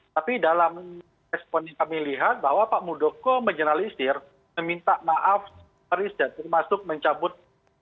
tapi dalam ekspon kami lihat bahwa pak mudoko menjelaskan meminta maaf riset termasuk mencabut